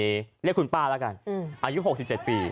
เรียกคุณป้าแล้วกันอายุ๖๗ปี